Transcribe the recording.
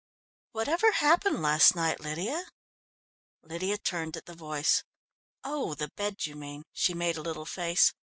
"Whatever happened last night, Lydia?" Lydia turned at the voice. "Oh, the bed you mean," she made a little face.